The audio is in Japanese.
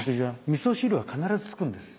みそ汁は必ず付くんです。